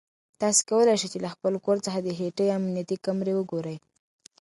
تاسو کولای شئ چې له خپل کور څخه د هټۍ امنیتي کامرې وګورئ.